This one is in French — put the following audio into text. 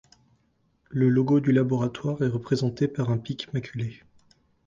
Le logo du laboratoire est représenté par un Pic maculé.